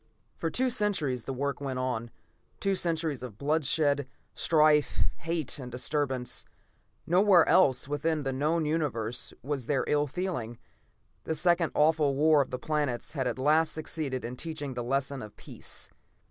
For two centuries the work went on. Two centuries of bloodshed, strife, hate and disturbance. No where else within the known Universe was there ill feeling. The second awful War of the Planets had at last succeeded in teaching the lesson of peace.